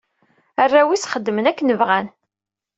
Arraw-is xeddmen akken bɣan.